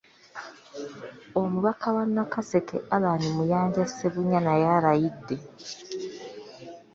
Omubaka wa Nakaseke, Allan Mayanja Ssebunnya naye alayidde.